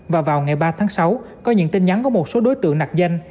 và vào ngày ba tháng sáu có những tin nhắn của một số đối tượng nạc danh